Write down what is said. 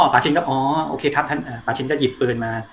อ๋อป่าชินก็อ๋อโอเคครับท่านอ่าป่าชินก็หยิบเปลือนมา